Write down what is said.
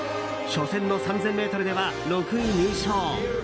初戦の３０００ｍでは６位入賞。